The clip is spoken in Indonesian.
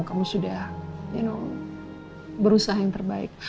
kamu sudah you know berusaha yang terbaik